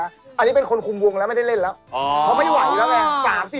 อันนี้เป็นคนคุมวงแล้วไม่ได้เล่นแล้วเขาไม่ไหวแล้วไง